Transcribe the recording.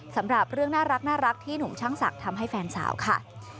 สำหรับเรื่องน่ารักที่หนุ่มช่างศักดิ์ทำให้แฟนสาวค่ะ